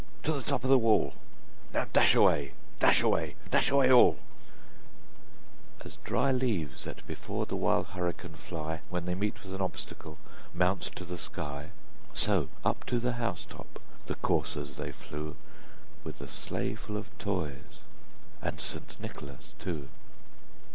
to the top of the wall! Now dash away! dash away! dash away all!" As dry leaves that before the wild hurricane fly, When they meet with an obstacle, mount to the sky; So up to the house top the coursers they flew, With the sleigh full of Toys, and St. Nicholas too.